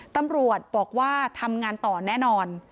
ตำรวจบอกว่าทำงานต่อแน่นอน